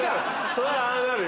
そりゃああなるよ。